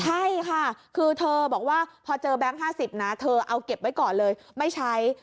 ใช่ค่ะคือเธอบอกว่าพอเจอแบงค์๕๐นะเธอเอาเก็บไว้ก่อนเลยไม่ใช้